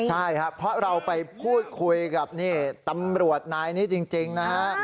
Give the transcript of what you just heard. ใช่ครับเพราะเราไปพูดคุยกับตำรวจนายนี้จริงนะฮะ